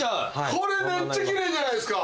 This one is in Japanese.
これめっちゃ奇麗じゃないですか。